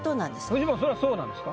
フジモンそれはそうなんですか？